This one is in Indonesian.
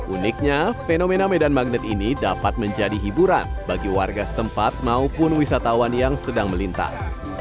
uniknya fenomena medan magnet ini dapat menjadi hiburan bagi warga setempat maupun wisatawan yang sedang melintas